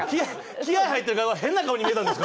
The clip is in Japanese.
気合い入ってる顔が変な顔に見えたんですか？